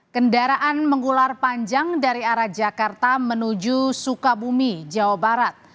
kendaraan mengular panjang dari arah jakarta menuju sukabumi jawa barat